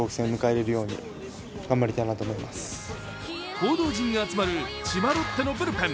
報道陣が集まる千葉ロッテのブルペン。